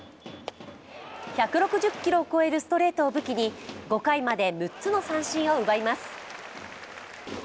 １６０キロを超えるストレートを武器に５回までに６つの三振を奪います。